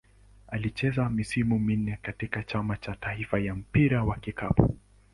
Alicheza misimu minne katika Chama cha taifa cha mpira wa kikapu.